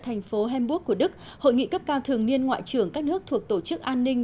thành phố hamburg của đức hội nghị cấp cao thường niên ngoại trưởng các nước thuộc tổ chức an ninh